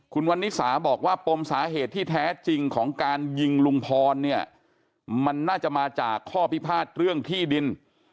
คุณวันนิสาบอกว่าปมสาเหตุที่แท้จริงของการยิงลุงพรเนี่ยมันน่าจะมาจากข้อพิพาทเรื่องที่ดิน